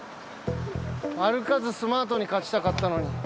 歩かずスマートに勝ちたかったのに。